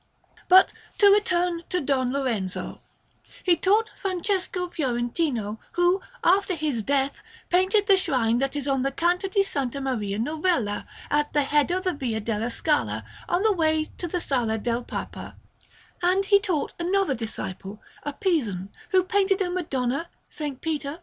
Florence: Uffizi, 1309) Anderson] But to return to Don Lorenzo; he taught Francesco Fiorentino, who, after his death, painted the shrine that is on the Canto di S. Maria Novella, at the head of the Via della Scala, on the way to the Sala del Papa; and he taught another disciple, a Pisan, who painted a Madonna, S. Peter, S.